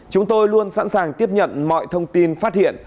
chúng tôi luôn sẵn sàng tiếp nhận mọi thông tin phát hiện